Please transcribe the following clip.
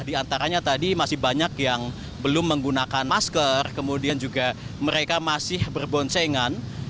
di antaranya tadi masih banyak yang belum menggunakan masker kemudian juga mereka masih berboncengan